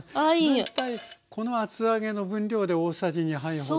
大体この厚揚げの分量で大さじ２杯ほど？